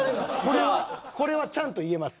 これはこれはちゃんと言えます。